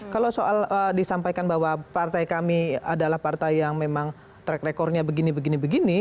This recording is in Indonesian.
kalau soal disampaikan bahwa partai kami adalah partai yang memang track recordnya begini begini